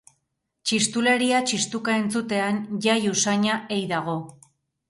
Txistularia txistuka entzutean jai usaina ei dago.